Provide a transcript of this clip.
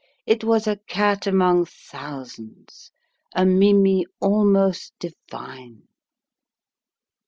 It was a cat among thousands, a mimi almost divine.